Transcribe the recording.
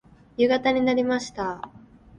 夕方になりました。